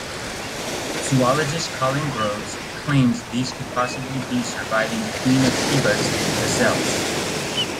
Zoologist Colin Groves claims these could possibly be surviving Queen of Sheba's gazelles.